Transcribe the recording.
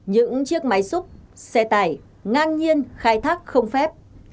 những chiếc máy xúc xe tải ngang nhiên khai thác không phép